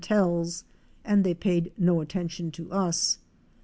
IOI telles,' and they paid no attention to us.